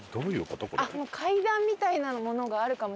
もう階段みたいなものがあるかもしれません。